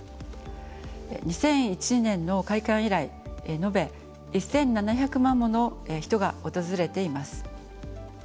２００１年の開館以来延べ１，７００万もの人が訪れています。